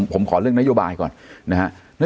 ผมขอเรื่องนโยบายก่อนนะฮะ